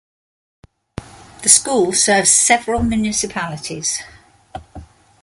The school serves several municipalities.